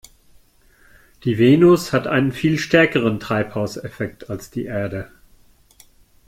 Die Venus hat einen viel stärkeren Treibhauseffekt als die Erde.